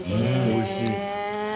おいしい。